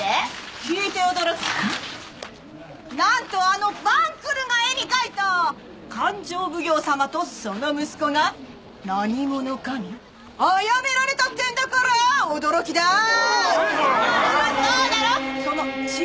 聞いて驚くななんとあの晩来が絵に描いた勘定奉行さまとその息子が何者かにあやめられたってんだから驚きだそうだろそうだろ？